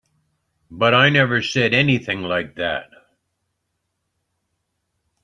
But I never said anything like that.